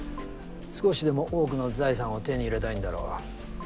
少しでも多くの財産を手に入れたいんだろう。